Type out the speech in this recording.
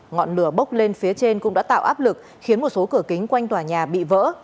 ngọn lửa bốc lên phía trên cũng đã tạo áp lực khiến một số cửa kính quanh tòa nhà bị vỡ